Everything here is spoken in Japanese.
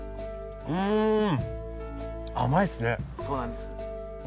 そうなんです。